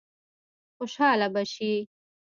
خوشاله به شي.